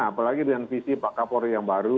apalagi dengan visi pak kapolri yang baru